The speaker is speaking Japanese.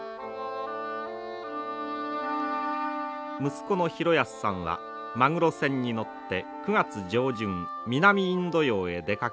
息子の広安さんはマグロ船に乗って９月上旬南インド洋へ出かけました。